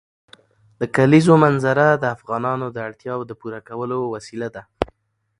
د کلیزو منظره د افغانانو د اړتیاوو د پوره کولو وسیله ده.